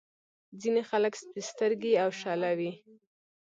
ځينې خلک سپين سترګي او شله وي.